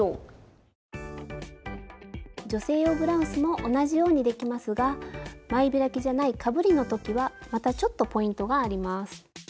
スタジオ女性用ブラウスも同じようにできますが前開きじゃないかぶりの時はまたちょっとポイントがあります。